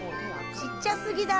ちっちゃすぎだろ。